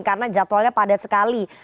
karena jadwalnya padat sekali